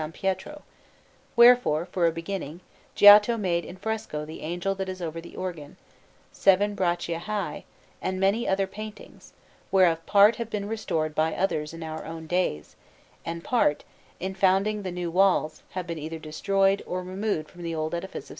Pietro; wherefore, for a beginning, Giotto made in fresco the Angel that is over the organ, seven braccia high, and many other paintings, whereof part have been restored by others in our own days, and part, in founding the new walls, have been either destroyed or removed from the old edifice of S.